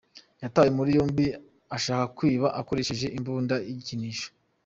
Yatawe muri yombi ashaka kwiba akoresheje imbunda y’igikinisho